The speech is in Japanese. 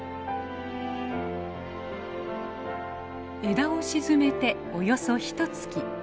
枝を沈めておよそひとつき。